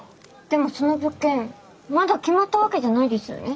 でもその物件まだ決まったわけじゃないですよね？